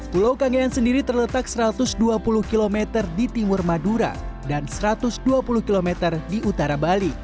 pulau kangean sendiri terletak satu ratus dua puluh km di timur madura dan satu ratus dua puluh km di utara bali